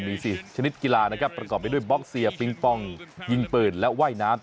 มี๔ชนิดกีฬานะครับประกอบไปด้วยบล็อกเซียปิงปองยิงปืนและว่ายน้ำ